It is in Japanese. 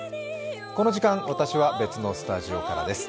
この時間、私は別のスタジオからです。